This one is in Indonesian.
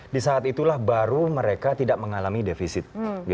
di saat itulah baru mereka tidak mengalami defisit